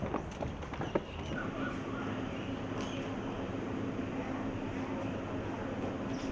เมื่อเวลาเมื่อเวลาเมื่อเวลา